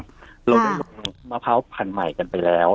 เราได้ลงมะพร้าวพันธุ์ใหม่กันไปแล้ว